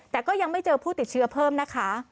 แต่ก็ยังไม่เจอผู้ติดเชื้อเพิ่มนะคะ